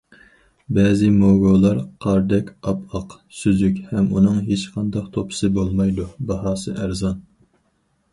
بەزى موگۇلار قاردەك ئاپئاق، سۈزۈك ھەم ئۇنىڭ ھېچقانداق توپىسى بولمايدۇ، باھاسى ئەرزان.